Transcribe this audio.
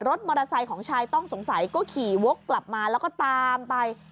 รถมอเตอร์ไซต์ของชายต้องสงสัยก็ขี่แบ่งตามไป